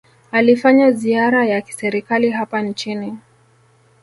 alifanya ziara ya kiserikali hapa nchini